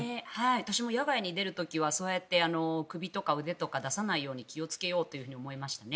私も野外に出る時はそうやって首とか腕とかを出さないように気をつけようと思いましたね。